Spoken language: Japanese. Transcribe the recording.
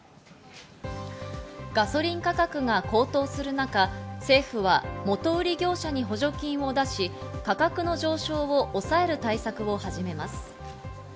ガソリン価格が高騰する中、政府は元売り業者に補助金を出し、価格の上昇を抑える対策を始めます。